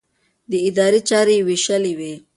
د ادارې چارې يې وېشلې وې.